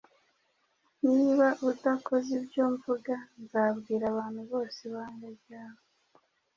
Niba udakoze ibyo mvuga, nzabwira abantu bose ibanga ryawe.